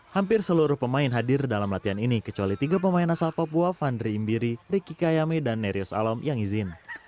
hampir seluruh pemain hadir dalam latihan ini kecuali tiga pemain asal papua vandri imbiri riki kayame dan nerius alom yang izin